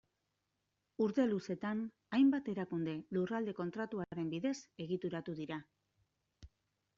Urte luzetan, hainbat erakunde Lurralde Kontratuaren bidez egituratu dira.